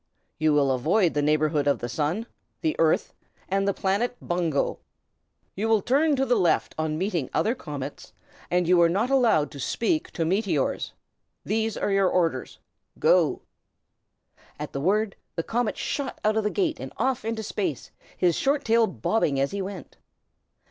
You will avoid the neighborhood of the Sun, the Earth, and the planet Bungo. You will turn to the left on meeting other comets, and you are not allowed to speak to meteors. These are your orders. Go!" At the word, the comet shot out of the gate and off into space, his short tail bobbing as he went.